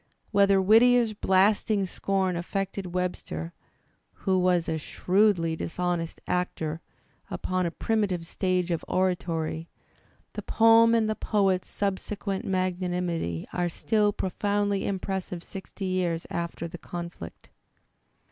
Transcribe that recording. Whether Whit tier's blasting scorn affected Webster, who was a shrewdly ? dishonest actor upon a primitive stage of oratoiy, the poem 1 and the poet's subsequent magnanimity are still profoundly impressive sixty years after the conflict.